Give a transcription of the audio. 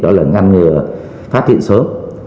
đó là ngăn ngừa phát triển sớm